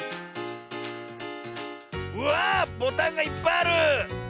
うわボタンがいっぱいある！